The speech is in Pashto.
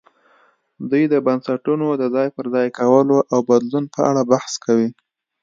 دوی د بنسټونو د ځای پر ځای کولو او بدلون په اړه بحث کوي.